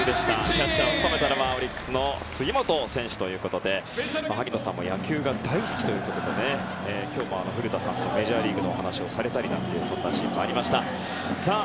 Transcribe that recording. キャッチャーを務めたのはオリックスの杉本選手ということで萩野さんも野球が大好きということで今日も古田さんとメジャーリーグの話をされたりというシーンもありました。